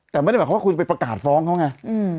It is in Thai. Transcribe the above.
แต่ไม่ได้หมายความว่าคุณจะไปประกาศฟ้องเขาไง